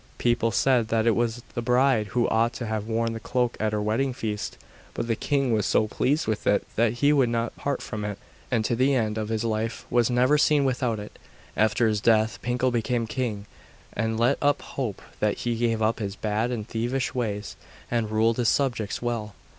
People said that it was the bride who ought to have worn the cloak at her wedding feast; but the king was so pleased with it that he would not part from it; and to the end of his life was never seen without it. After his death, Pinkel became king; and let up hope that he gave up his bad and thievish ways, and ruled his subjects well.